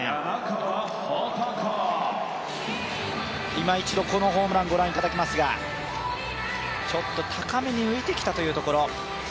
今一度、このホームラン、ご覧いただきますが、ちょっと高めに浮いてきたというところ。